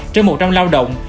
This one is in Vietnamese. trên một trăm linh lao động